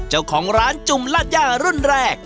เจ้าของร้านจุ่มลาดย่ารุ่นแรก